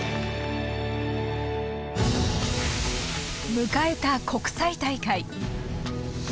迎えた国際大会。